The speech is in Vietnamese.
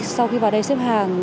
sau khi vào đây xếp hàng